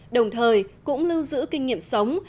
đồng thời cũng lưu giữ kinh nghiệm sống